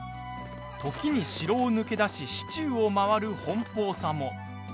時に城を抜け出し市中を回る奔放さも。